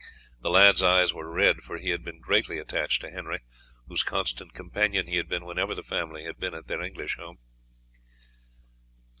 The lad's eyes were red, for he had been greatly attached to Henry, whose constant companion he had been whenever the family had been at their English home.